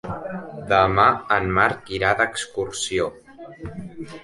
Demà en Marc irà d'excursió.